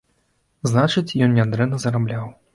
Значыць, ён нядрэнна зарабляў.